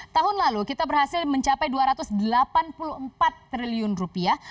tahun lalu kita berhasil mencapai dua ratus delapan puluh empat triliun rupiah